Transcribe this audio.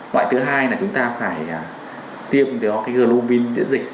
loại thứ hai là chúng ta phải tiêm cái globin miễn dịch